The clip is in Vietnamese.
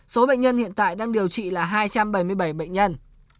số bệnh nhân hiện tại đang điều trị là hai trăm bảy mươi bảy bệnh nhân